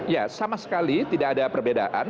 ya sama sekali tidak ada perbedaan